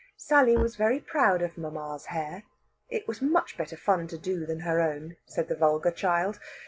Sally was very proud of mamma's hair; it was much better fun to do than her own, said the vulgar child.